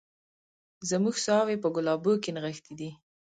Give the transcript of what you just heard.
زموږ ساوي په ګلابو کي نغښتي دي